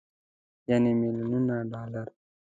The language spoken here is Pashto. يعنې ميليونونه ډالر.